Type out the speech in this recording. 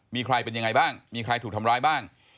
มีใครเป็นยังไงบ้างมีใครถูกทำร้ายบ้าง